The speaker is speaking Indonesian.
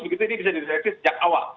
begitu ini bisa direvisi sejak awal